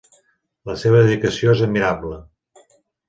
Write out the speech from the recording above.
La seva dedicació és admirable.